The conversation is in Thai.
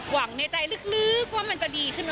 หวังในใจลึกว่ามันจะดีขึ้น